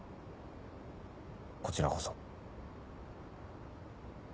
こちらこそ。